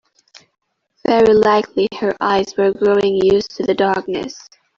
Very likely her eyes were growing used to the darkness.